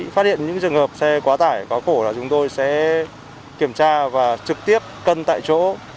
phát hiện những trường hợp xe quá tải quá khổ là chúng tôi sẽ kiểm tra và trực tiếp cân tại chỗ